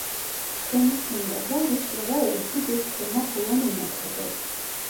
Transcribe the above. Kremasında da Ruslara özgü bir krema kullanılmaktadır.